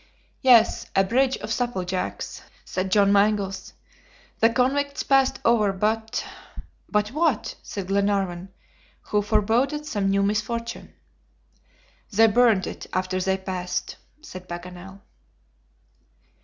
"Yes, a bridge of supple jacks," said John Mangles. "The convicts passed over, but " "But what?" said Glenarvan, who foreboded some new misfortune. "They burned it after they passed!" said Paganel.